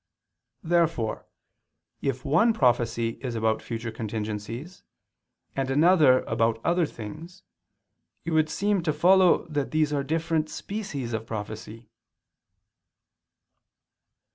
Therefore, if one prophecy is about future contingencies, and another about other things, it would seem to follow that these are different species of prophecy.